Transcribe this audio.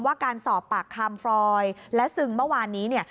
ว่าการสอบปากคำฟรอยและซึงเมื่อวานนี้เนี่ย